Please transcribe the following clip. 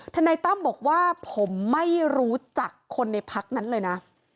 นายตั้มบอกว่าผมไม่รู้จักคนในพักนั้นเลยนะ